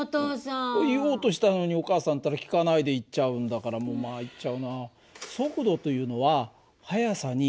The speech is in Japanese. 言おうとしたのにお母さんったら聞かないで行っちゃうんだからもう参っちゃうな。